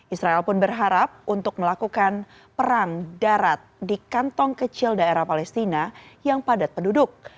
israel pun berharap untuk melakukan perang darat di kantong kecil daerah palestina yang padat penduduk